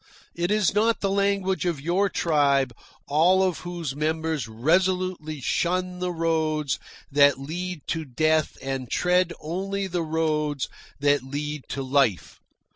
It is not the language of your tribe, all of whose members resolutely shun the roads that lead to death and tread only the roads that lead to life.